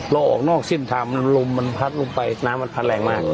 เราออกนอกซิ่นธรรมรมพัดลงไปน้ำพัดแรงมาก